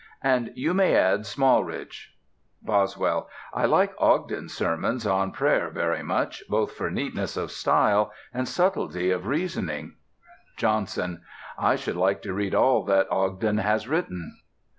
And you may add Smalridge. BOSWELL: I like Ogden's Sermons on Prayer very much, both for neatness of style and subtility of reasoning. JOHNSON: I should like to read all that Ogden has written.